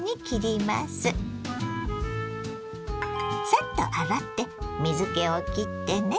サッと洗って水けをきってね。